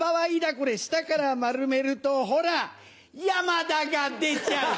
これ下から丸めるとほら山田が出ちゃう！